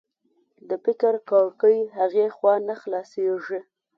د فکر کړکۍ هغې خوا نه خلاصېږي